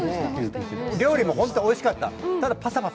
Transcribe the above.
料理もホントにおいしかった。